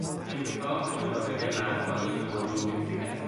امریکا مجاور مرزهای شمالی مکزیک است.